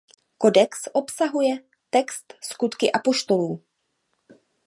Kodex obsahuje text Skutky apoštolů.